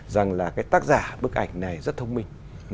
rằng tác giả bức ảnh này rất thông minh